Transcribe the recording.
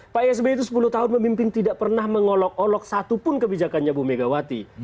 pak sby itu sepuluh tahun memimpin tidak pernah mengolok olok satupun kebijakannya bu megawati